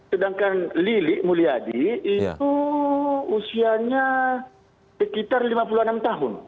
sedangkan lili mulyadi itu usianya sekitar lima puluh enam tahun